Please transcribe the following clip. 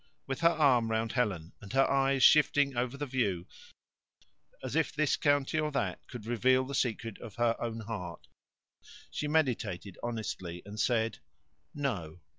With her arm round Helen, and her eyes shifting over the view, as if this county or that could reveal the secret of her own heart, she meditated honestly, and said, "No."